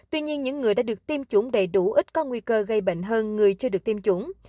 tuy nhiên những người đã được tiêm chủng đầy đủ ít có nguy cơ gây bệnh hơn người chưa được tiêm chủng